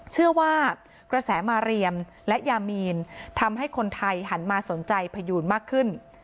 เชื่อว่ากระแสมาเรียมและยามีนทำให้คนไทยหันมาสนใจพยูนมากขึ้น